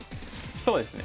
そうですね。